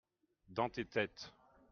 dans tes têtes.